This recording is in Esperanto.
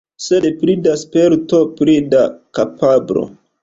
Sed pli da sperto, pli da kapablo.